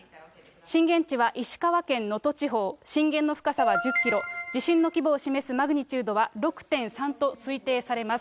震源地は石川県能登地方、震源の深さは１０キロ、地震の規模を示すマグニチュードは６．３と推定されます。